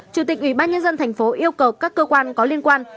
chủ tịch ủy ban nhân dân thành phố yêu cầu các cơ quan có liên quan